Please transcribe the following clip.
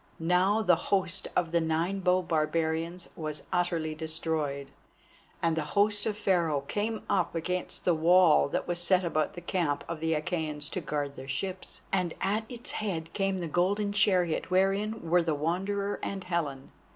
Now the host of the Nine bow barbarians was utterly destroyed, and the host of Pharaoh came up against the wall that was set about the camp of the Achæans to guard their ships, and at its head came the golden chariot wherein were the Wanderer and Helen.